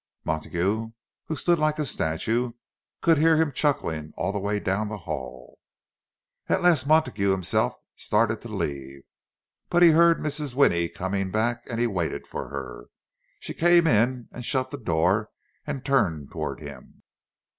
Montague, who stood like a statue, could hear him chuckling all the way down the hall. At last Montague himself started to leave. But he heard Mrs. Winnie coming back, and he waited for her. She came in and shut the door, and turned toward him.